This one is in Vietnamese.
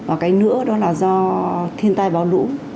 và cái nữa đó là do thiên tai báo lũ